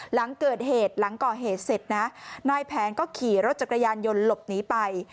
หลังเกิดเหตุหลังก่อเหตุเสร็จนะนายแผนก็ขี่รถจักรยานยนต์หลบหนีไป